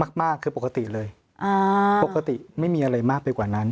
มากมากคือปกติเลยปกติไม่มีอะไรมากไปกว่านั้น